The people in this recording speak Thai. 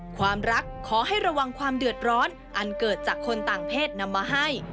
ความรักขอให้ระวังความเดือดร้อนอันเกิดจากคนต่างเพศนำมาให้